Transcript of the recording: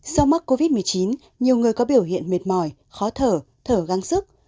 sau mắc covid một mươi chín nhiều người có biểu hiện mệt mỏi khó thở thở gắng sức